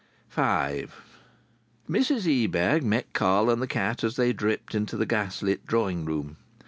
V Mrs Ebag met Carl and the cat as they dripped into the gas lit drawing room.